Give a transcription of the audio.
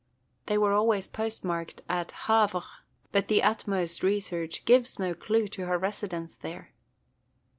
They were always postmarked at Havre; but the utmost research gives no clew to her residence there."